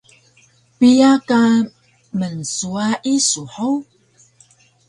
Piya ka mnswayi su hug?